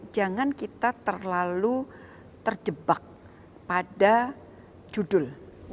jangan kita terlalu terjebak pada judul